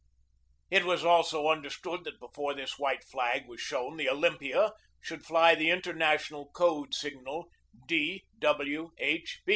It was also understood that before this white flag was shown the Olympia should fly the interna tional code signal "D. W. H.